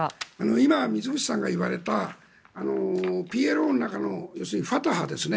今、水口さんが言われたＰＬＯの中の要するにファタハですね。